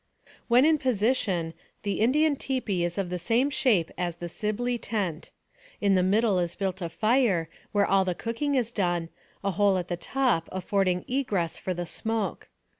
When in position, the Indian tipi is of the same shape as the Sibley tent. In the middle is built a fire, where all the cooking is done, a hole at the top afford ing egress for the smoke.